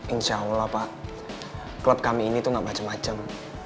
insya allah pak klub kami ini tuh gak macam macam